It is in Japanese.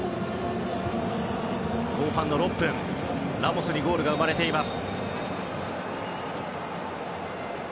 後半６分、ラモスにゴールが生まれています。